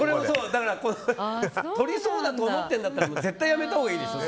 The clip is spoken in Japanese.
だから取りそうだと思ってるんだったら絶対やめたほうがいいですよ